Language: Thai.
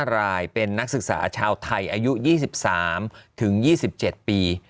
รายเป็นนักศึกษาชาวไทยอายุ๒๓๒๗ปี